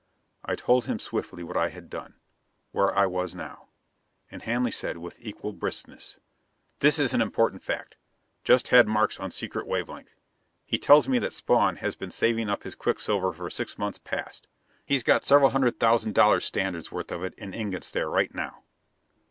I told him swiftly what I had done; where I was now. And Hanley said, with equal briskness: "I've an important fact. Just had Markes on secret wave length. He tells me that Spawn has been saving up his quicksilver for six months past. He's got several hundred thousand dollar standards' worth of it in ingots there right now."